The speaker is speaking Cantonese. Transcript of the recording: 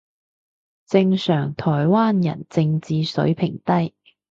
正常台灣人正字水平低